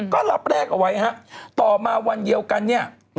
ก็รับแรกเอาไว้ครับต่อมาวันเดียวกันนี่